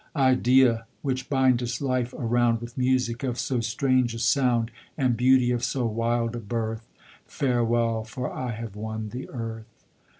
Idea! which bindest life around With music of so strange a sound, And beauty of so wild a birth Farewell! for I have won the Earth.